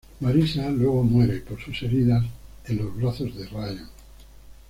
Marissa luego muere por sus heridas en los brazos de Ryan.